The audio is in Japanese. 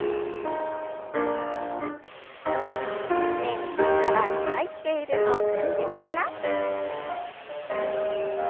すねに力が入っているのを感じながら。